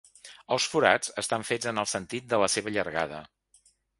Els forats estan fets en el sentit de la seva llargada.